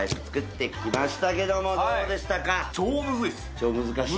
超難しい？